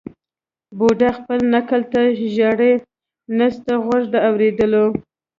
بوډا خپل نکل ته ژاړي نسته غوږ د اورېدلو